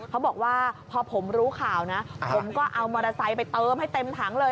เขาบอกว่าพอผมรู้ข่าวนะผมก็เอามอเตอร์ไซค์ไปเติมให้เต็มถังเลย